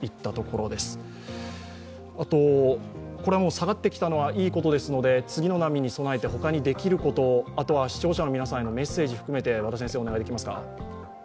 下がってきたのはいいことですので、次の波に備えて他にできること、あとは視聴者の皆さんへのメッセージ含めて、お願いできますか？